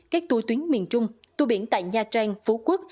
các tour tuyến miền trung tour biển tại nha trang phú quốc